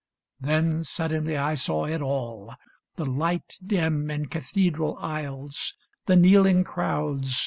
Then suddenly I saw it all — the light Dim in cathedral aisles, the kneeling crowds.